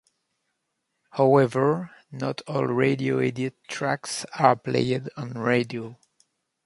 However, not all "radio edit" tracks are played on radio.